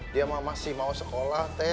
dia masih mau sekolah